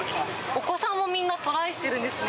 お子さんもみんなトライしてるんですね。